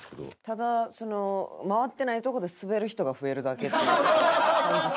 ただ回ってないとこでスベる人が増えるだけっていう感じするよね。